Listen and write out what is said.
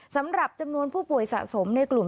สำหรับจำนวนผู้ป่วยสะสมในกลุ่ม